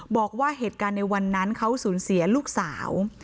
บอกว่าเหตุการณ์ในวันนั้นเขาสูญเสียลูกสาว